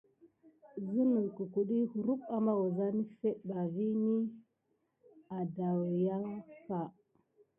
Sine tat kuduweni kurum amayusa nefet bas vini sina adayuka.